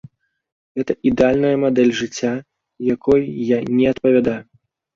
Гэта ідэальная мадэль жыцця, якой я не адпавядаю.